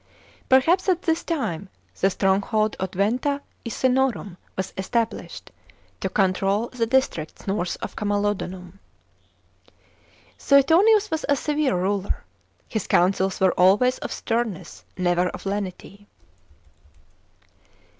Perhaps at this time the stronghold of Venta Icenorum f was established to control the districts north of Camalodunum. § 12. Suetonius was a severe ruler ; his counsels were always of sternness, never of lenity.